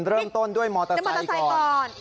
เริ่มต้นด้วยมอเตอร์ไซค์ก่อน